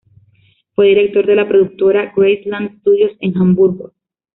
Fue director de la productora Graceland-Studios, en Hamburgo.